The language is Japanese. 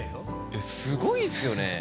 えすごいっすよね。